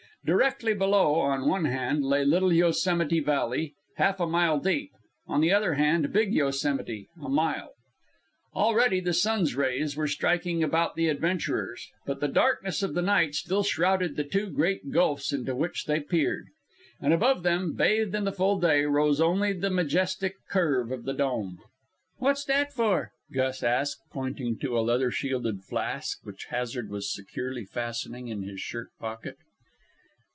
Directly below, on the one hand, lay Little Yosemite Valley, half a mile deep; on the other hand, Big Yosemite, a mile. Already the sun's rays were striking about the adventurers, but the darkness of night still shrouded the two great gulfs into which they peered. And above them, bathed in the full day, rose only the majestic curve of the Dome. "What's that for?" Gus asked, pointing to a leather shielded flask which Hazard was securely fastening in his shirt pocket.